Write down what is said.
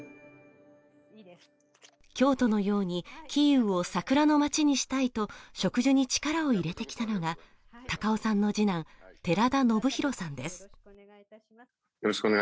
京都のようにキーウを桜の街にしたいと植樹に力を入れてきたのが、高尾さんの次男、寺田宜弘さんです。